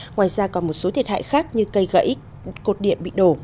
ngoài ra còn một số thiệt hại khác như cây gãy cột điện bị đổ